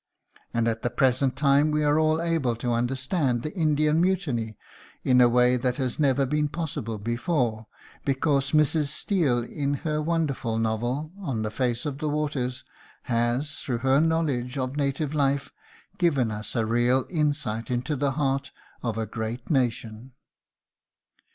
And at the present time we are all able to understand the Indian Mutiny in a way that has never been possible before, because Mrs. Steel in her wonderful novel, "On the Face of the Waters," has, through her knowledge of native life, given us a real insight into the heart of a great nation.